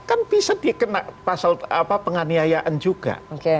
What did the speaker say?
kan bisa dikena pasal penganiayaan juga